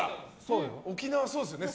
沖縄はそうですよね。